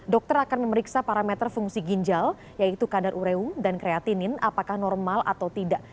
dokter akan memeriksa parameter fungsi ginjal yaitu kadar ureu dan kreatinin apakah normal atau tidak